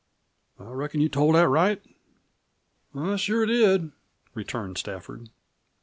I reckon you told that right?" "I sure did," returned Stafford.